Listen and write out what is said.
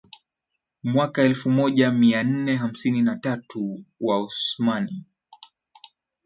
Mwaka elfumoja mianne hamsini na tatu Waosmani